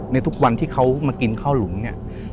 ในทุกวันที่เขามากินข้าวหลุมเนี่ย